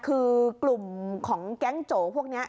คือกลุ่มของแก๊งโจพวกนี้